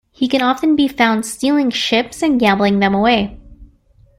He can often be found stealing ships and gambling them away.